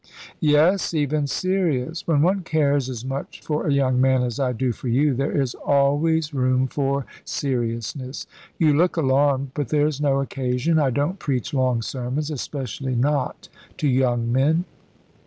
"Yes, even serious. When one cares as much for a young man as I do for you, there is always room for seriousness. You look alarmed, but there is no occasion. I don't preach long sermons, especially not to young men."